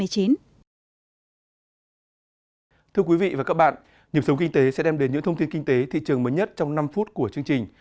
thưa quý vị và các bạn nhiệm sống kinh tế sẽ đem đến những thông tin kinh tế thị trường mới nhất trong năm phút của chương trình